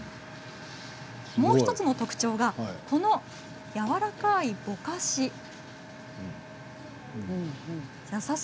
もう１つの特徴がやわらかいぼかし。